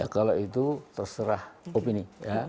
kalau itu terserah opini